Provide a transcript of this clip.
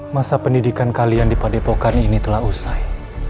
masa pendidikan kalian di padepokan ini telah usai